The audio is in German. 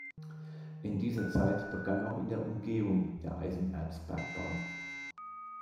In dieser Zeit begann auch in der Umgebung der Eisenerzbergbau.